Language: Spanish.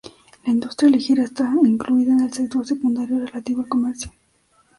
La industria ligera está incluida en el sector secundario relativo al comercio.